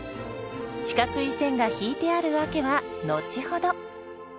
四角い線が引いてある訳は後ほど。